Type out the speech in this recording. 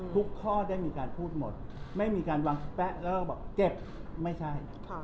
ข้อได้มีการพูดหมดไม่มีการวางแป๊ะแล้วก็บอกเก็บไม่ใช่